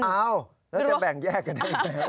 อ้าวแล้วจะแบ่งแยกกันได้ไหม